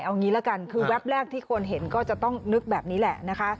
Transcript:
เอางี้ละกันคือแป๊บแรกที่คนเห็นก็จะต้องนึกแบบนี้แหละนะคะ